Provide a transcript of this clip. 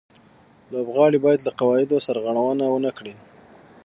لوبغاړي باید له قاعدو سرغړونه و نه کړي.